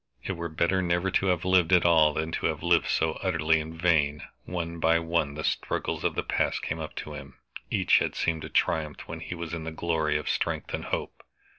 It were better never to have lived at all than to have lived so utterly in vain. One by one the struggles of the past came up to him; each had seemed a triumph when he was in the glory of strength and hope.